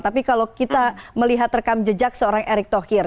tapi kalau kita melihat rekam jejak seorang erick thohir